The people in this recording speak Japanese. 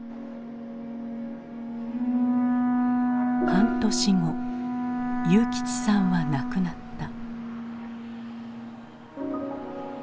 半年後祐吉さんは亡くなった。